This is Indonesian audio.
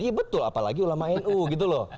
iya betul apalagi ulama nu gitu loh